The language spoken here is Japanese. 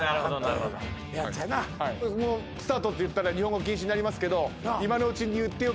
スタートって言ったら日本語禁止になりますけど。